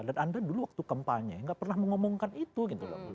dan anda dulu waktu kempannya gak pernah mengomongkan itu gitu